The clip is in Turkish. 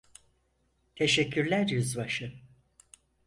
Teşekkürler Yüzbaşı.